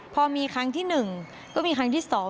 พอมีครั้งที่หนึ่งก็มีครั้งที่สอง